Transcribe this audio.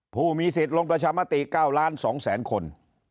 ผู้มีสิทธิ์ลงประชามติเก้าร้านสองแสนคน